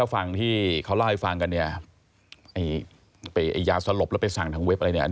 สิ่งที่กลัวฟังที่ว่าไปยาสรบแล้วสั่งทางเว็บอะไรเนี่ย